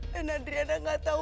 dan adriana gak tau